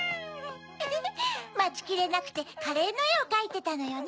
フフフまちきれなくてカレーのえをかいてたのよね。